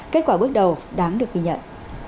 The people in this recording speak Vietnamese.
kết quả bước đầu đáng được ghi nhận